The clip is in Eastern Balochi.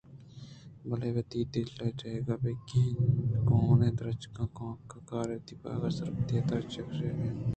بلےوتی دل ئیگ ءَ بِہ کن کوٛہنیں درٛچک دہقان کارے ءَ وتی باغ ءَ سُرٛوپی درٛچکے کِشتگ اَت